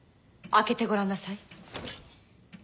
開けてごらんなさい。